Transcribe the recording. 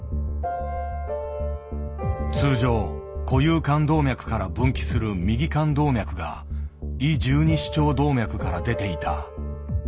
通常固有肝動脈から分岐する右肝動脈が胃十二指腸動脈から出ていた。